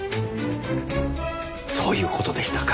そういう事でしたか。